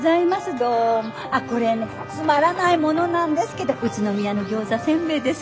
あっこれねつまらないものなんですけど宇都宮の餃子煎餅です。